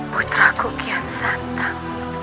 putraku kian santan